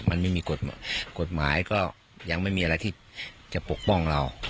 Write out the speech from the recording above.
มันไม่มีกฎหมายกฎหมายก็ยังไม่มีอะไรที่จะปกป้องเรา